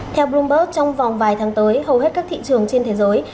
theo bloomberg trong vòng vài tháng tới hầu hết các thị trường trên thế giới